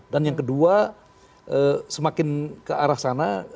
dan yang kedua semakin ke arah sana